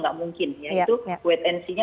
tidak mungkin yaitu wait and see nya